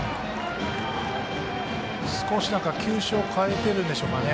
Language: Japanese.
少し球種を変えてるんでしょうかね。